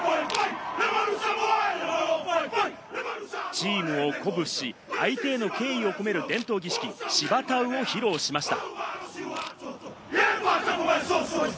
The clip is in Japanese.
チームを鼓舞し、相手への敬意を込める伝統儀式・シヴァタウを披露しました。